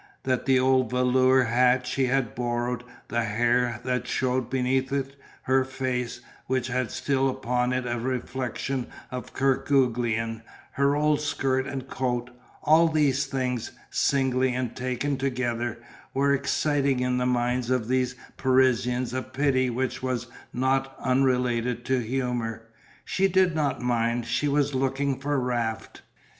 That the old velour hat she had borrowed, the hair that shewed beneath it, her face, which had still upon it a reflection of Kerguelen, her old skirt and coat all these things, singly and taken together, were exciting in the minds of these Parisians a pity which was not unrelated to humour. She did not mind, she was looking for Raft.